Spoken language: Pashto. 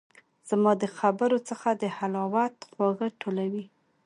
زما د خبرو څخه د حلاوت خواږه ټولوي